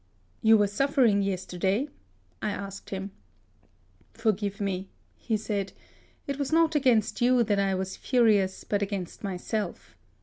" You were suffering yesterday ?" I asked him. " Forgive me," he said. " It was not 42 HISTORY OF against you that I was furious, but against myself.